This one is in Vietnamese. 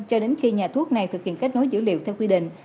cho đến khi nhà thuốc này thực hiện kết nối dữ liệu theo quy định